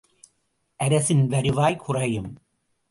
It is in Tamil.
அரசின் வருவாய் குறையும்!